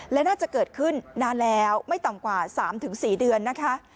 และน่าจะเกิดขึ้นนานแล้วไม่ต่ำกว่า๓๔เดือนนะคะ